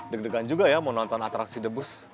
deg degan juga ya menonton atraksi debus